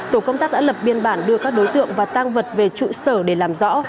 tổ công tác đã lập biên bản đưa các đối tượng và tang vật về trụ sở để làm rõ